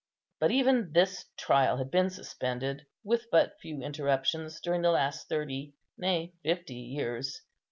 But even this trial had been suspended, with but few interruptions, during the last thirty, nay, fifty years.